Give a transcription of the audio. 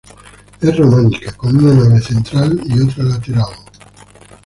Es románica, con una nave central y otra lateral.